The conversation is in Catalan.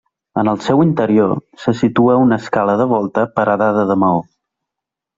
En el seu interior se situa una escala de volta paredada de maó.